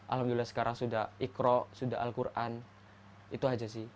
alhamdulillah sekarang sudah ikro sudah al quran itu aja sih